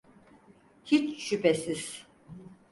Hiç şüphesiz.